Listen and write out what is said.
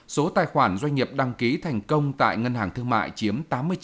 số tài khoản doanh nghiệp đăng ký thành công tại ngân hàng thương mại chiếm tám mươi chín năm mươi tám